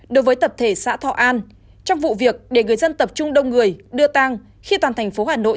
đối với tập thể xã thọ an trong vụ việc để người dân tập trung đông người đưa tang khi toàn thành phố hà nội